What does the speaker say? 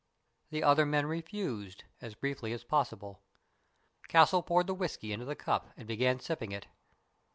The other men refused, as briefly as possible. Castle poured the whisky into the cup and began sipping it.